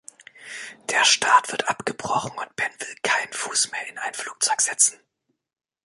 Der Start wird abgebrochen und Ben will keinen Fuß mehr in ein Flugzeug setzen.